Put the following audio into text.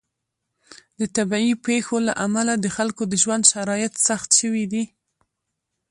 د طبیعي پیښو له امله د خلکو د ژوند شرایط سخت شوي دي.